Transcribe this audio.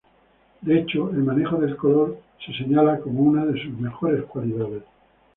De hecho el manejo del color se señala como una de sus mejores cualidades.